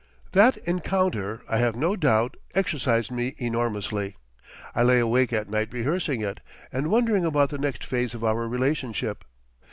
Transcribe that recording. That encounter, I have no doubt, exercised me enormously. I lay awake at night rehearsing it, and wondering about the next phase of our relationship.